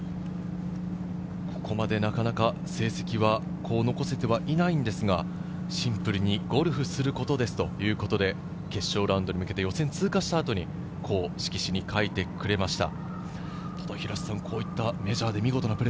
ここまでなかなか成績は残せてはいないんですが、「シンプルにゴルフするコトです！！」ということで決勝ラウンドに向けて予選通過したあとに色紙に書いてくれました。